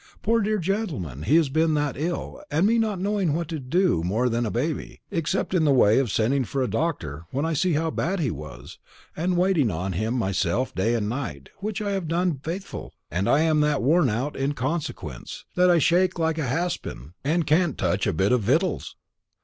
"Poor dear gentleman, he has been that ill, and me not knowing what to do more than a baby, except in the way of sending for a doctor when I see how bad he was, and waiting on him myself day and night, which I have done faithful, and am that worn out in consequence, that I shake like a haspen, and can't touch a bit of victuals.